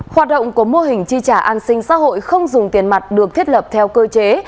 hoạt động của mô hình chi trả an sinh xã hội không dùng tiền mặt được thiết lập theo cơ chế